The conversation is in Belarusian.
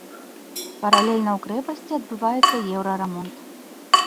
Паралельна ў крэпасці адбываецца еўрарамонт.